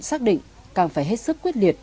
xác định càng phải hết sức quyết liệt